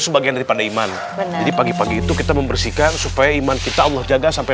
sebagian daripada iman jadi pagi pagi itu kita membersihkan supaya iman kita allah jaga sampai